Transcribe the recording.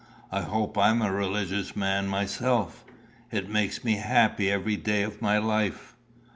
I hope I'm a religious man myself. It makes me happy every day of my life."